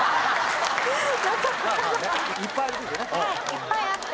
いっぱいあって。